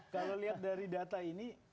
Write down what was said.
kalau lihat dari data ini